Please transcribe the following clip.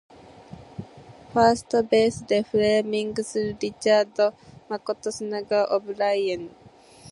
ファーストベースでフレーミングするリチャード誠砂川オブライエン